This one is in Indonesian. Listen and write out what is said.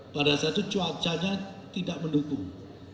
pada saat itu cuacanya tidak mendukung